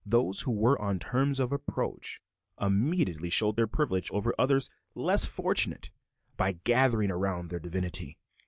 Those who were on terms of approach immediately showed their privilege over others less fortunate by gathering around their divinity.